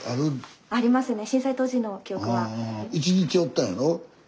１日おったんやろ？